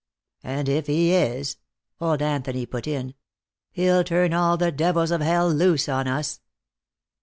"And if he is," old Anthony put in, "he'll turn all the devils of hell loose on us."